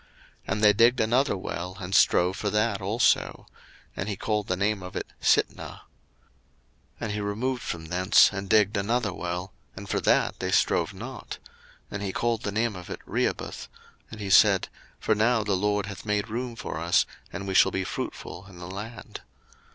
01:026:021 And they digged another well, and strove for that also: and he called the name of it Sitnah. 01:026:022 And he removed from thence, and digged another well; and for that they strove not: and he called the name of it Rehoboth; and he said, For now the LORD hath made room for us, and we shall be fruitful in the land.